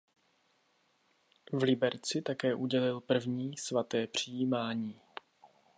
V Liberci také udělil první svaté přijímání.